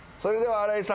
新井さん